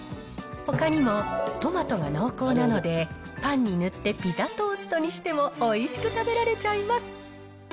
ほかにも、トマトが濃厚なので、パンに塗ってピザトーストにしてもおいしく食べられちゃいます。